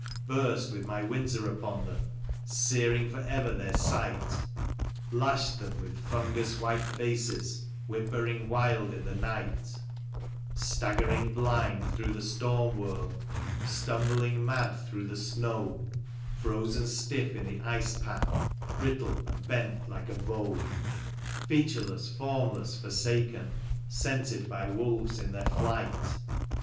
7 Burst with my winter upon them, searing forever their sight, Lashed them with fungus white faces, whiraj^ering wild in the night; Staggering blind through the storm whirl, stumbling mad through the snow, Frozen stiff in the ice pack, brittle and bent like a bow ; Featureless, formless, forsaken, scented by wolves in their flight.